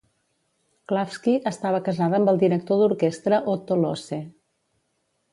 Klafsky estava casada amb el director d'orquestra Otto Lohse.